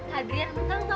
hadrian lu kan gila